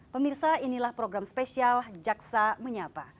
pemirsa inilah program spesial jaksa menyapa